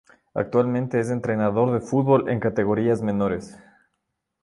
Actualmente es entrenador de futbol en categorías menores